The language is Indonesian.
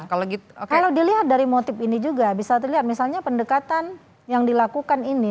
kalau dilihat dari motif ini juga bisa dilihat misalnya pendekatan yang dilakukan ini